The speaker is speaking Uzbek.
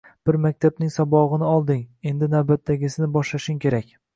Bir maktabning sabog‘ini olding, endi navbatdagisini boshlashing kerak.